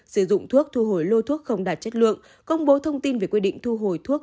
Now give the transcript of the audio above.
sử dụng thuốc thu hồi lôi thuốc không đạt chất lượng công bố thông tin về quy định thu hồi thuốc